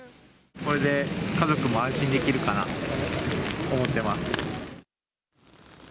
これで家族も安心できるかなって思ってます。